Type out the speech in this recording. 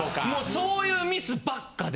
そういうミスばっかで。